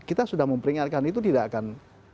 kita sudah memperingatkan itu tidak akan